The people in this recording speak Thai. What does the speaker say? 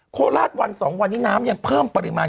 โคราชวัน๒วันนี้น้ำยังเพิ่มปริมาณ